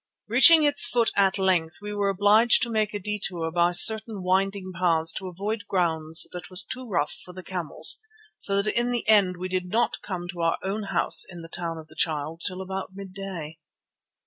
Reaching its foot at length we were obliged to make a detour by certain winding paths to avoid ground that was too rough for the camels, so that in the end we did not come to our own house in the Town of the Child till about midday.